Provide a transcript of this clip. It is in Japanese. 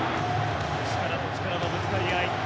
力と力のぶつかり合い。